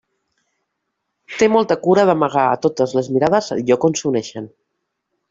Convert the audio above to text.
Té molta cura d'amagar a totes les mirades el lloc on s'uneixen.